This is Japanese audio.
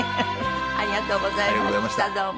ありがとうございましたどうも。